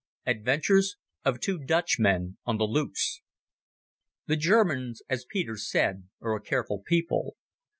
Adventures of Two Dutchmen on the Loose The Germans, as Peter said, are a careful people.